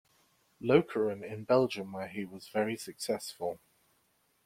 Lokeren in Belgium where he was very successful.